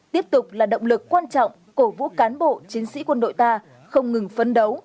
tiếp tục là động lực quan trọng cổ vũ cán bộ chiến sĩ quân đội ta không ngừng phấn đấu